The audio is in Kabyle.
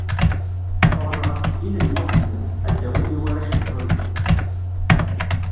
Ffɣen ɣef ddin n Muḥemmed, ad d-awin i warrac lḥuriya.